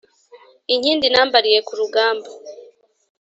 Inkindi nambariye ku rugamba